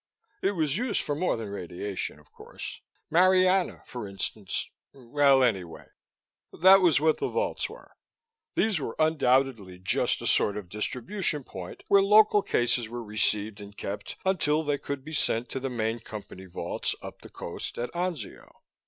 It was used for more than radiation, of course. Marianna, for instance Well, anyway, that was what the vaults were. These were undoubtedly just a sort of distribution point, where local cases were received and kept until they could be sent to the main Company vaults up the coast at Anzio.